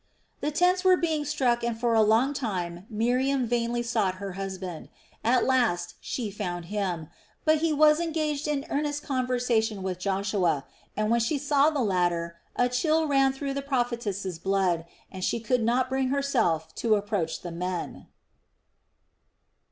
The tents were being struck and for a long time Miriam vainly sought her husband. At last she found him; but he was engaged in earnest conversation with Joshua, and when she saw the latter a chill ran through the prophetess' blood, and she could not bring herself to approach the men.